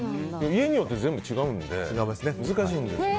家によって全部違うので難しいんですよ。